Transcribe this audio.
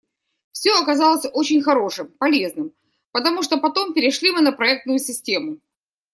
Все оказалось очень хорошим, полезным, потому что потом перешли мы на проектную систему.